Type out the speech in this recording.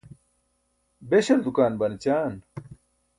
beśal dukaan ban ećaan?